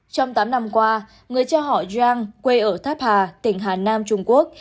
trong tám năm qua người cha họ giang quê ở tháp hà tỉnh hà nam trung quốc